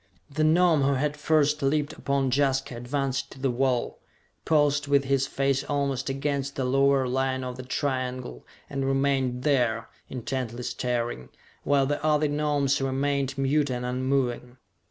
The Gnome who had first leaped upon Jaska advanced to the wall, paused with his face almost against the lower line of the triangle, and remained there, intently staring, while the other Gnomes remained mute and unmoving.